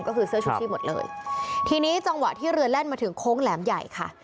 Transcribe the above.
ก็คือเสื้อชูชีพหมดเลยทีนี้จังหวะที่เรือแล่นมาถึงโค้งแหลมใหญ่ค่ะ